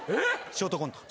ショートコント。